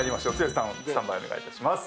スタンバイお願いいたします。